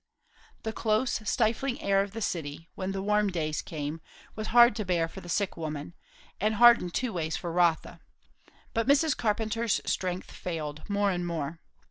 The close, stifling air of the city, when the warm days came, was hard to bear for the sick woman, and hard in two ways for Rotha. But Mrs. Carpenter's strength failed more and more.